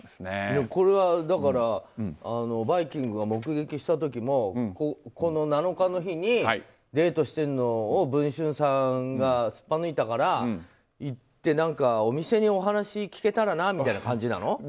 これは「バイキング」が目撃した時もこの７日の日にデートしてるのを「文春」さんがすっぱ抜いたから行ってお店にお話聞けたらなみたいな感じなの？